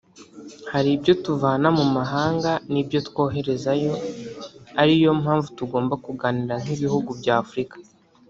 Hari ibyo tuvana mu mahanga n’ibyo twoherezayo ari yo mpamvu tugomba kuganira nk’ibihugu bya Afurika